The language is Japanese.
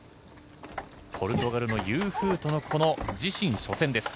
ポルトガルのユー・フーとの自身初戦です。